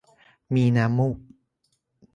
มีน้ำมูก